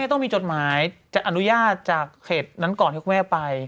ต้องมีจดหมายจะอนุญาตจากเขตนั้นก่อนที่คุณแม่ไป